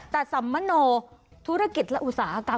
แต่สัมมโนธุรกิจและอุตสาหกรรม